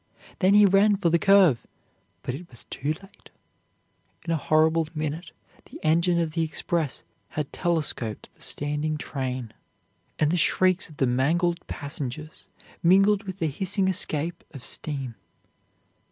Then he ran for the curve, but it was too late. In a horrible minute the engine of the express had telescoped the standing train, and the shrieks of the mangled passengers mingled with the hissing escape of steam.